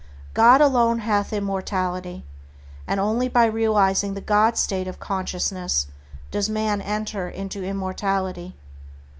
"God alone hath immortality," and only by realizing the God state of consciousness does man enter into immortality.